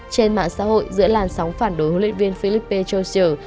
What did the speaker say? trên mạng xã hội giữa làn sóng phản đối huấn luyện viên philippe jocial